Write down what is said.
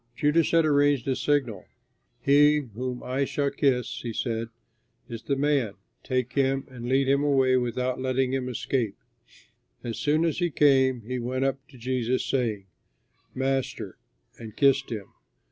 Judas had arranged a signal: "He whom I shall kiss," he said, "is the man. Take him, and lead him away without letting him escape." As soon as he came, he went up to Jesus, saying, "Master," and kissed him.